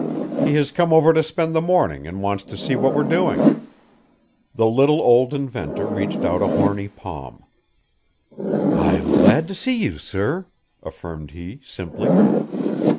He has come over to spend the morning and wants to see what we're doing." The little old inventor reached out a horny palm. "I'm glad to see you, sir," affirmed he simply.